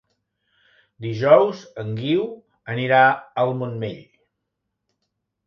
Dijous en Guiu anirà al Montmell.